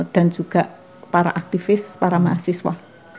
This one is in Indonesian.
dan juga para aktivis para mahasiswa